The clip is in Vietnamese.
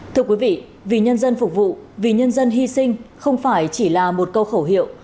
thưa quý vị vì nhân dân phục vụ vì nhân dân hy sinh không phải chỉ là một câu khẩu hiệu